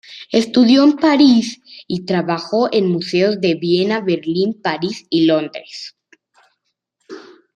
Estudió en París y trabajó en museos de Viena, Berlín, París y Londres.